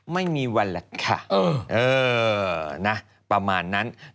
ไม่มีวันล่ะค่ะเออนะประมาณนั้นเออ